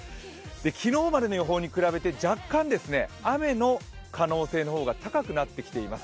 昨日までの予報に比べて若干雨の可能性の方が高くなってきています。